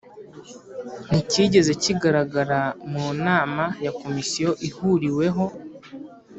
nticyigeze kigaragara mu nama ya komisiyo ihuriweho